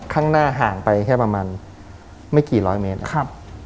ข้างหน้าห่างไปแค่ประมาณไม่กี่ร้อยเมตรนะครับ